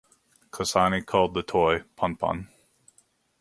Cosani called the toy "Pon-Pon".